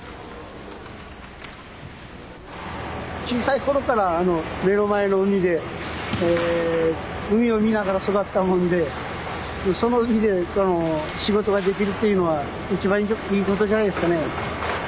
小さい頃から目の前の海で海を見ながら育ったもんでその海で仕事ができるっていうのは一番いいことじゃないですかね。